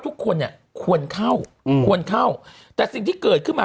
ทุกคนเนี่ยควรเข้าควรเข้าแต่สิ่งที่เกิดขึ้นมา